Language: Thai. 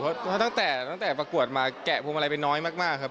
เพราะตั้งแต่ประกวดมาแกะฟวงมาลัยเป็นน้อยมากครับ